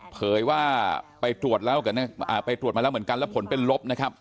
เผยว่าไปตรวจแล้วเหมือนกันผลเป็นลบนะครับ